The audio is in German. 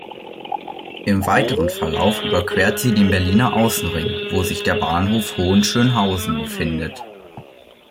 Im weiteren Verlauf überquert sie den Berliner Außenring, wo sich der Bahnhof Hohenschönhausen befindet.